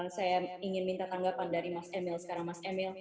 saya ingin minta tanggapan dari mas emil sekarang mas emil